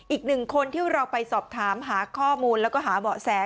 อีกหนึ่งคนที่เราไปสอบถามหาข้อมูลแล้วก็หาเบาะแส